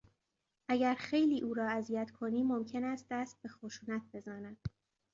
اگر خیلی او را اذیت کنی ممکن است دست به خشونت بزند.